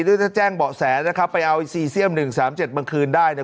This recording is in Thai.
ถ้าแจ้งเบาะแสนะครับไปเอาซีเซียม๑๓๗มาคืนได้